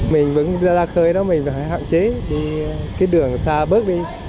mình vẫn ra khơi đó mình phải hạn chế đi cái đường xa bớt đi